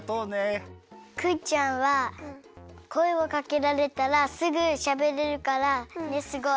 クイちゃんはこえをかけられたらすぐしゃべれるからすごい。